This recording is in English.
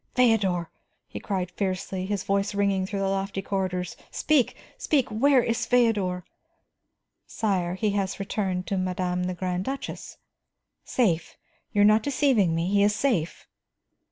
"Feodor?" he cried fiercely, his voice ringing through the lofty corridors. "Speak, speak; where is Feodor?" "Sire, he has returned to madame the Grand Duchess." "Safe? You are not deceiving me, he is safe?"